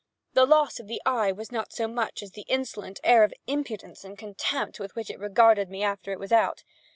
The loss of the eye was not so much as the insolent air of independence and contempt with which it regarded me after it was out.